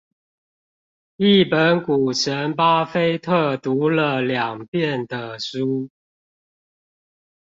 一本股神巴菲特讀了兩遍的書